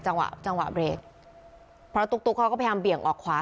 จังหวะจังหวะเบรกเพราะตุ๊กเขาก็พยายามเบี่ยงออกขวา